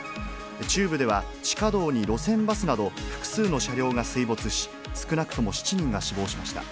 中部では、地下道に路線バスなど、複数の車両が水没し、少なくとも７人が死亡しました。